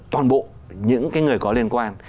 toàn bộ những cái người có liên quan